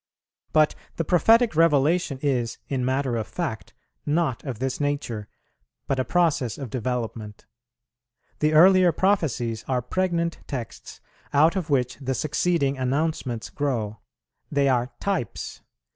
But the prophetic Revelation is, in matter of fact, not of this nature, but a process of development: the earlier prophecies are pregnant texts out of which the succeeding announcements grow; they are types.